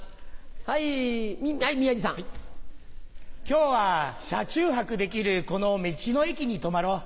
はい宮治さん。今日は車中泊できるこの道の駅に泊まろう。